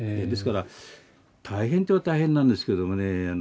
ですから大変って言えば大変なんですけどもね